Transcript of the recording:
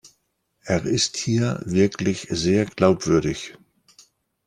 Er ist hier wirklich sehr glaubwürdig.